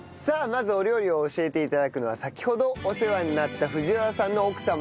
まずお料理を教えて頂くのは先ほどお世話になった藤原さんの奥様です。